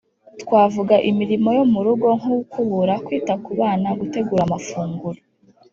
twavuga imirimo yo mu rugo, nko gukubura, kwita ku bana, gutegura amafunguro,